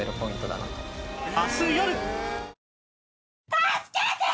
助けて！